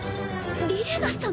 リレナ様？